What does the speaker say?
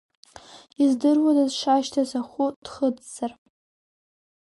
Издыруада дшашьҭаз ахәы дхыҵзар.